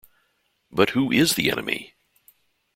But who is the enemy?